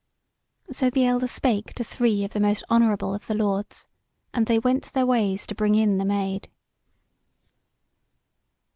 So the elder spake to three of the most honourable of the lords, and they went their ways to bring in the Maid.